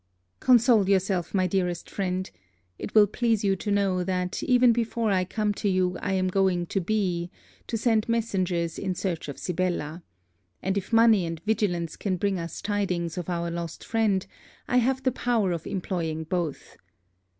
Console yourself, my dearest friend. It will please you to know that, even before I come to you, I am going to B , to send messengers in search of Sibella. And if money and vigilance can bring us tidings of our lost friend, I have the power of employing both.